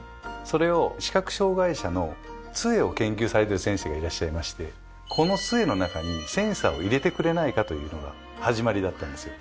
それを視覚障害者のつえを研究されてる先生がいらっしゃいましてこのつえの中にセンサーを入れてくれないかというのが始まりだったんですよ。